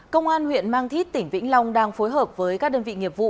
công an huyện mang thít tỉnh vĩnh long đang phối hợp với các đơn vị nghiệp vụ